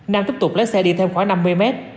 nam tiếp tục lấy xe đi thêm khoảng năm mươi mét